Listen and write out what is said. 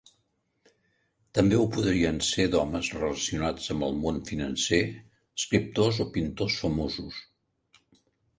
També ho podien ser d'homes relacionats amb el món financer, escriptors o pintors famosos.